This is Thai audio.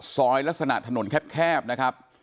ลักษณะถนนแคบนะครับ